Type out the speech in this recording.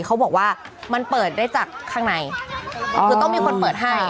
เขาบอกว่ามันเปิดได้จากข้างในคือต้องมีคนเปิดให้